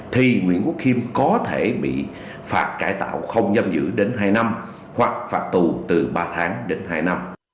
thì nguyễn quốc khiêm có thể bị phạt cải tạo không giam giữ đến hai năm hoặc phạt tù từ ba tháng đến hai năm